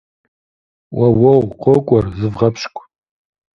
Уэуэу, къокӏуэр, зывгъэпщкӏу!